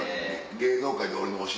芸能界で俺のお尻。